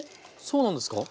そうなんですか。